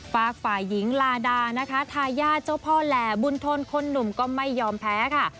ฝากฝ่ายหญิงลาดานะคะทายาทเจ้าพ่อแหล่บุญทนคนหนุ่มก็ไม่ยอมแพ้ค่ะ